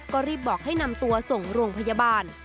ก็รีบบอกให้นำตัวส่งโรงพยาบาล